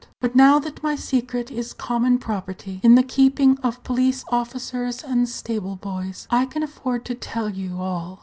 But now that my secret is common property, in the keeping of police officers and stable boys, I can afford to tell you all.